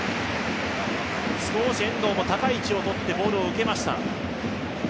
少し遠藤も高い位置をとってボールを受けました。